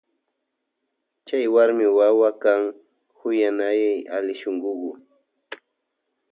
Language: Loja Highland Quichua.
Chay warmi wawa kan kuyanay allishunkuyuk.